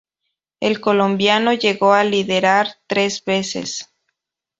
El colombiano llegó a liderar tres veces.